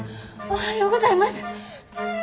おはようございます。